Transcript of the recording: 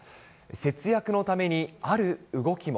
節約のために、ある動きも。